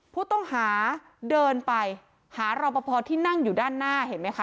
ผู้ต้องหาเดินไปหารอปภที่นั่งอยู่ด้านหน้าเห็นไหมคะ